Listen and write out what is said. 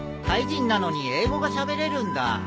タイ人なのに英語がしゃべれるんだ。